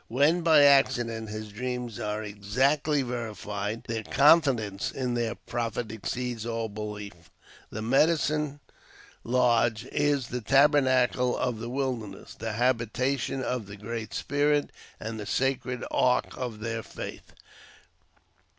When by accident his dreams are exactly verified, their con fidence in their prophet exceeds all belief. The " medicine lodge " is the tabernacle of the wilderness, the habitation of the Great Spirit, the sacred ark of their faith.